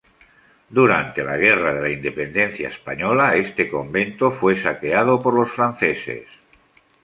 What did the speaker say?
Durante la Guerra de la Independencia Española, este convento fue saqueado por los franceses.